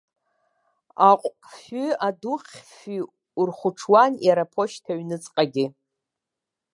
Аҟәкфҩи адухьфҩи урхәаҽуан иара аԥошьҭа аҩныҵҟагьы.